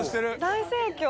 大盛況。